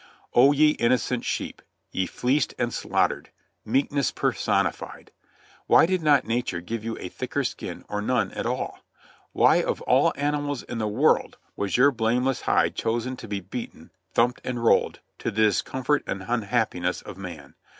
O ye innocent sheep! Ye fleeced and slaughtered. Meekness personified! Why did not nature give you a thicker skin or none at all? Why of all animals in the world was your blameless hide chosen to be beaten, thumped and rolled, to the discomfort and unhappiness of man?